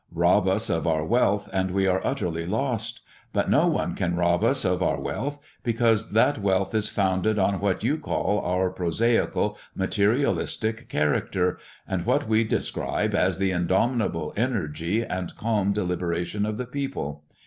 Rob us of our wealth, and we are utterly lost. But no one can rob us of our wealth, because that wealth is founded on what you call our prosaical materialistic character, and what we describe as the indomitable energy and calm deliberation of the people.